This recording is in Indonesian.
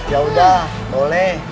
yaudah boleh ya bang